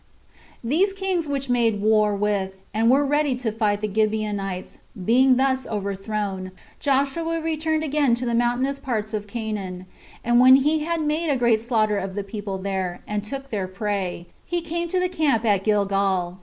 These kings which made war with, and were ready to fight the Gibeonites, being thus overthrown, Joshua returned again to the mountainous parts of Canaan; and when he had made a great slaughter of the people there, and took their prey, he came to the camp at Gilgal.